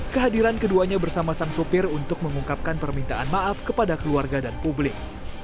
kehadiran keduanya bersama sang sopir untuk mengungkapkan permintaan maaf kepada keluarga dan publik